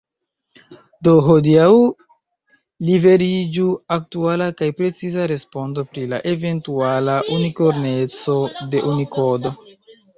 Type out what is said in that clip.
Do hodiaŭ liveriĝu aktuala kaj preciza respondo pri la eventuala unikorneco de Unikodo.